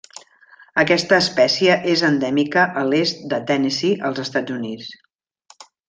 Aquesta espècie és endèmica a l'est de Tennessee als Estats Units.